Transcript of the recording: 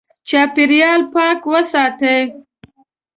چاپېریال پاک وساتې.